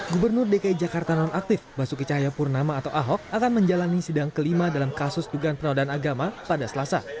gubernur dki jakarta nonaktif basuki cahayapurnama atau ahok akan menjalani sidang kelima dalam kasus dugaan penodaan agama pada selasa